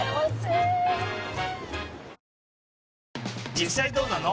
実際どうなの？